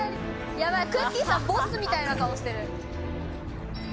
やばい、くっきー！さんボスみたいな顔してる。